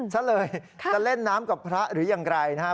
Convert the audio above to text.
ซะเลยจะเล่นน้ำกับพระหรือยังไงนะฮะ